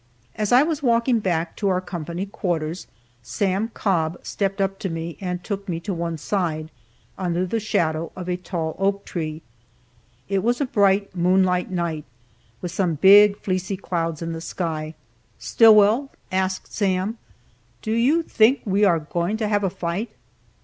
As I was walking back to our company quarters, Sam Cobb stepped up to me and took me to one side, under the shadow of a tall oak tree. It was a bright moonlight night, with some big, fleecy clouds in the sky. "Stillwell," asked Sam, "do you think we are going to have a fight?"